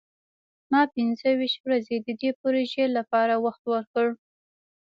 ما پنځه ویشت ورځې د دې پروژې لپاره وخت ورکړ.